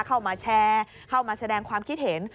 เข้ามาแชร์เข้ามาแสดงความคิดเห็น